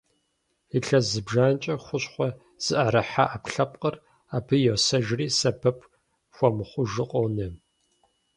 Илъэс зыбжанэкӀэ хущхъуэ зыӀэрыхьа Ӏэпкълъэпкъыр абы йосэжри, сэбэп хуэмыхъужу къонэ.